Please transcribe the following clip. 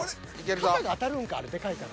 肩が当たるんかでかいから。